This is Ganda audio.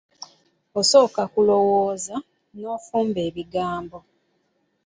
Osooka kulowooza, n'ofumba ebigambo.